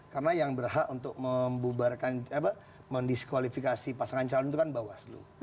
karena yang berhak untuk membubarkan mendiskualifikasi pasangan calon itu kan bawaslu